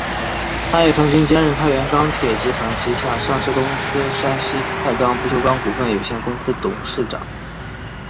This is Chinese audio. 他也曾经兼任太原钢铁集团旗下上市公司山西太钢不锈钢股份有限公司董事长。